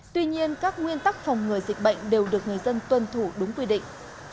tuy nhiên các nguyên tắc phòng ngừa dịch bệnh đều được người dân tuân thủ đúng quy định